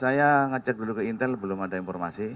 saya ngecek dulu ke intel belum ada informasi